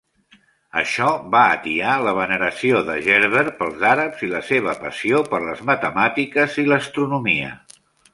Això va atiar la veneració de Gerbert pels àrabs i la seva passió per les matemàtiques i l'astronomia.